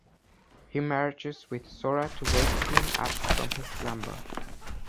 He merges with Sora to wake him up from his slumber.